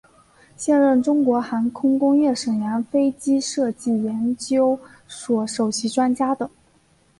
现任中国航空工业沈阳飞机设计研究所首席专家等。